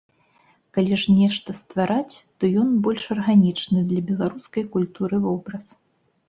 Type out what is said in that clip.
Калі ж нешта ствараць, то ён больш арганічны для беларускай культуры вобраз.